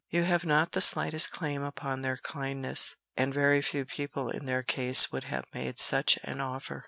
You have not the slightest claim upon their kindness, and very few people in their case would have made such an offer.